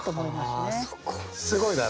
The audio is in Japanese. すごいだろ？